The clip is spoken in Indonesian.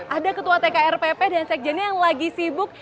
ada ketua tkr pp dan sekjennya yang lagi sibuk